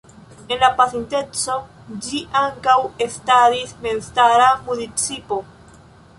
En la pasinteco ĝi ankaŭ estadis memstara municipo.